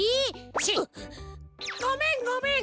チッ！ごめんごめん！